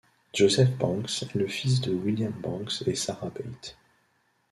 Joseph Banks est le fils de William Banks et Sarah Bate.